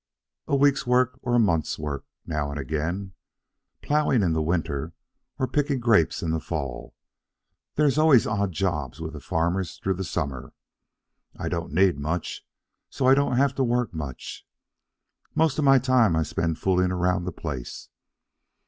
"A week's work or a month's work, now and again, ploughing in the winter, or picking grapes in the fall, and there's always odd jobs with the farmers through the summer. I don't need much, so I don't have to work much. Most of my time I spend fooling around the place.